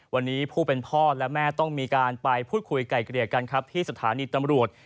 วันนี้ผู้เป็นพ่อและแม่ต้องมีการไปพูดคุยไก่เกลี่ยกันครับที่สถานีตำรวจ